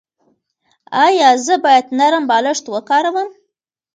ایا زه باید نرم بالښت وکاروم؟